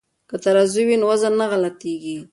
که ترازوی وي نو وزن نه غلطیږي.